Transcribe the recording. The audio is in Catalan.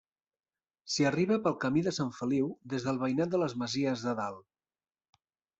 S'hi arriba pel camí de Sant Feliu des del veïnat de les Masies de Dalt.